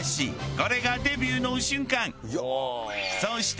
これがデビューの瞬間。